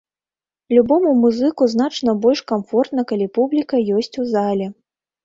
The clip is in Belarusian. Любому музыку значна больш камфортна, калі публіка ёсць у зале.